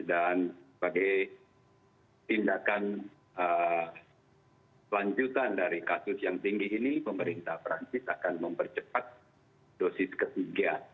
dan sebagai tindakan lanjutan dari kasus yang tinggi ini pemerintah perancis akan mempercepat dosis ketiga